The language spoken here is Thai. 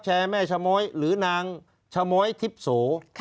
แชร์แม่ชโมยหรือนางชโมยทิพโส